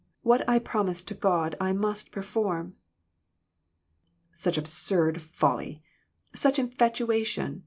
What I promise to God I must perform." "Such absurd folly! Such infatuation!"